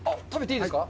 食べていいですか？